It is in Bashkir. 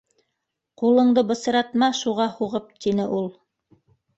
- Ҡулыңды бысратма шуға һуғып, - тине ул.